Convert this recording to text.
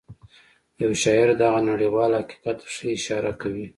يو شاعر دغه نړيوال حقيقت ته ښه اشاره کوي.